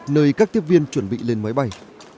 nơi các tiếp viên chuẩn bị lên máy bay